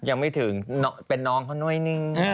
ยังไม่ถึงเป็นน้องเขาด้วยนี่